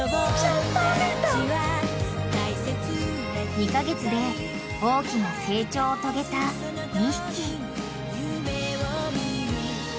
［２カ月で大きな成長を遂げた２匹］